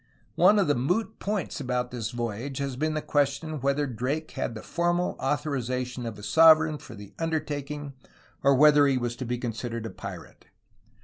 One of the moot points about this voyage has been the question whether Drake had the formal authori zation of his sovereign for the undertaking or whether he DRAKE AND NEW ALBION 99 was to be considered a pirate.